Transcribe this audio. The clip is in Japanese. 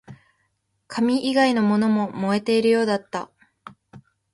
紙以外のものも燃えているようだった